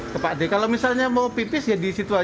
ke pak d kalau misalnya mau pipis ya di situ aja